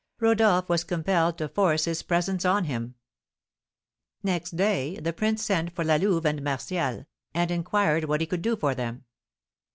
Rodolph was compelled to force his presents on him. Next day the prince sent for La Louve and Martial, and inquired what he could do for them.